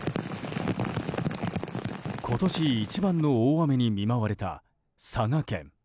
今年一番の大雨に見舞われた佐賀県。